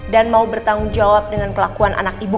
dan mau bertanggungjawab dengan kelakuan anak ibu